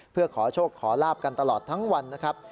เพื่อขอโชคขอลาบกันตลอดทั้งวันนะครับ